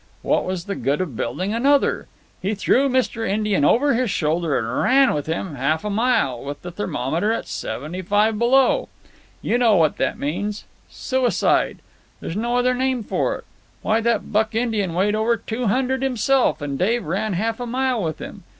What was the good of building another? He threw Mr. Indian over his shoulder—and ran with him—half a mile—with the thermometer at seventy five below. You know what that means. Suicide. There's no other name for it. Why, that buck Indian weighed over two hundred himself, and Dave ran half a mile with him.